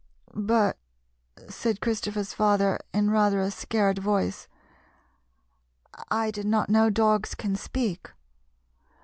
" But," said Christophers father, in rather a scared voice, " I did not know dogs can speak."